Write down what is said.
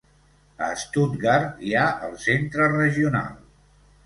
A Stuttgart hi ha el Centre Regional.